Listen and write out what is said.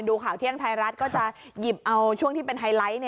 ข่าวเที่ยงไทยรัฐก็จะหยิบเอาช่วงที่เป็นไฮไลท์